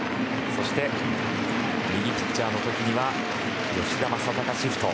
そして、右ピッチャーの時は吉田正尚シフト。